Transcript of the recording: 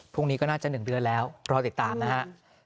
พรุ่งนี้ก็น่าจะ๑เดือนแล้วรอติดตามนะครับ